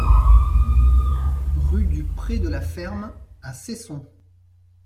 Rue du Pré de la Ferme à Cesson